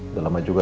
udah lama juga